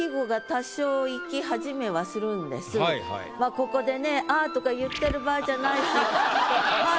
ここでね「あぁ」とか言ってる場合じゃないしはい。